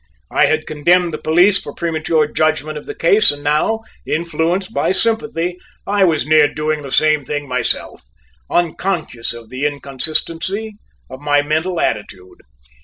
I had condemned the police for premature judgment of the case and now, influenced by sympathy, I was near doing the same myself, unconscious of the inconsistency of my mental attitude.